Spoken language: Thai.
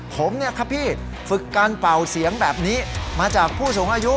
ผมเนี่ยครับพี่ฝึกการเป่าเสียงแบบนี้มาจากผู้สูงอายุ